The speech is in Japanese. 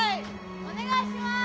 お願いします！